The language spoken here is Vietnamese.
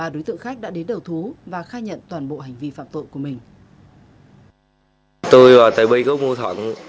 ba đối tượng khác đã đến đầu thú và khai nhận toàn bộ hành vi phạm tội của mình